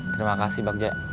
terima kasih bagja